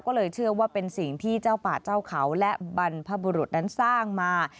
ก็เลยเชื่อว่าเป็นสิ่งที่เจ้าป่าเจ้าเขาและบรรพบุรุษนั้นสร้างมา